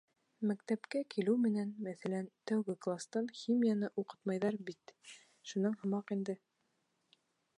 — Мәктәпкә килеү менән, мәҫәлән, тәүге кластан химияны уҡытмайҙар бит — шуның һымаҡ инде.